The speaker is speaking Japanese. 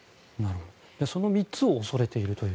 その３つを恐れているという。